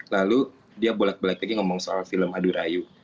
lalu dia boleh boleh lagi ngomong soal film hadurayu